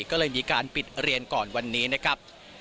ก็เลยมีการปิดเรียนก่อนวันนี้นะครับ